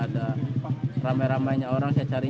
detail terbatas dari kol generals ini